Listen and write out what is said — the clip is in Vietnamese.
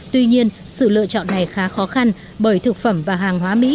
tuy nhiên sự lựa chọn này khá khó khăn bởi thực phẩm và hàng hóa mỹ